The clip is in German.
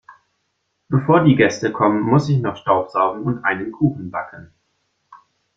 Bevor die Gäste kommen, muss ich noch staubsaugen und einen Kuchen backen.